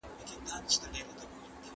که اوبه نه وي نو ژوند کول ګران دي.